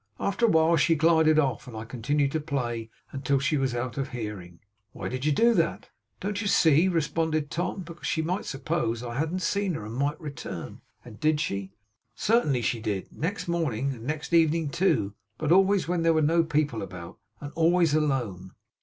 After a while she glided off, and I continued to play until she was out of hearing.' 'Why did you do that?' 'Don't you see?' responded Tom. 'Because she might suppose I hadn't seen her; and might return.' 'And did she?' 'Certainly she did. Next morning, and next evening too; but always when there were no people about, and always alone.